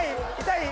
痛い？